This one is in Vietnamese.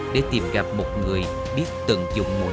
để tìm gặp một người biết tận dụng mùa nước